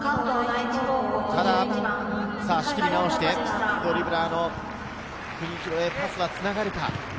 仕切り直してドリブラーの国広へパスはつながるか。